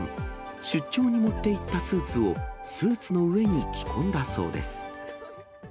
出張に持っていったスーツをスーツの上に着込んだそうです。